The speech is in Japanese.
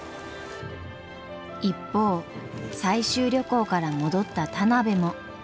一方採集旅行から戻った田邊も。